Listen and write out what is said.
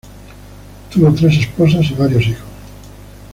Tuvo tres esposas y varios hijos.